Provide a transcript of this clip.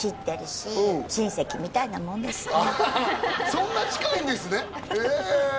そんな近いんですねへえ！